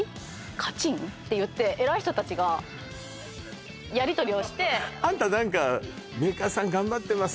カチン？っていって偉い人達がやりとりをしてあんた何かメーカーさん頑張ってます